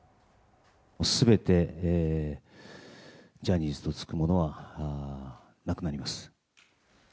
すべてジャニーズとつくものはなくなります。